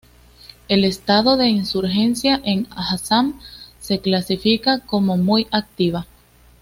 El estado de insurgencia en Assam se clasifica como muy activa.